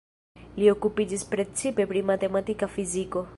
Li okupiĝis precipe pri matematika fiziko.